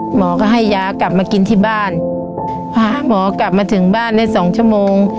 หมอก็ให้ยากลับมากินที่บ้านพาหมอกลับมาถึงบ้านได้สองชั่วโมง